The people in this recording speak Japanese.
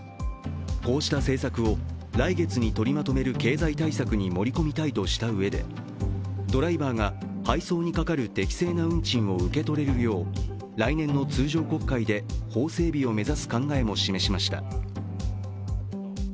こうした政策を来月に取りまとめる経済対策に盛り込みたいとしたうえでドライバーが配送にかかる適正な運賃を受け取れるよう来年の通常国会で法整備を目指す考えも示しました